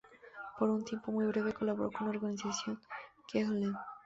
Por un tiempo muy breve colaboró con la Organización Gehlen.